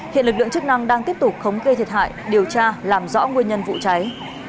hiện lực lượng chức năng đang tiếp tục thống kê thiệt hại điều tra làm rõ nguyên nhân vụ cháy